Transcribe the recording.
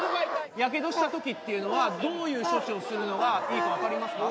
やけどしたときっていうのは、どういう処置をするのがいいか分かりますか？